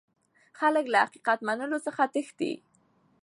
خلک له حقيقت منلو څخه تښتي.